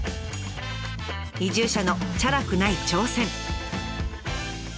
移住者のチャラくない挑戦。